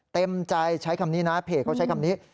เต็มใจใช้คำนี้นะเพจเขาใช้คำนี้